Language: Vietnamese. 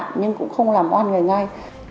chúng tôi cũng không làm oan người ngay